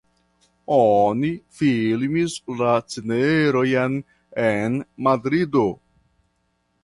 Oni filmis la scenojn en Madrido.